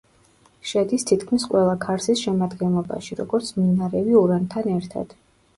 შედის თითქმის ყველა ქარსის შემადგენლობაში, როგორც მინარევი ურანთან ერთად.